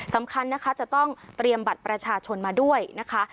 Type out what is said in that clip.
สำคัญนะคะจะต้องเตรียมบัตรประชาชนมาด้วยนะคะ